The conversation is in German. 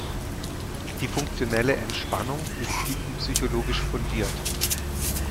Die Funktionelle Entspannung ist tiefenpsychologisch fundiert.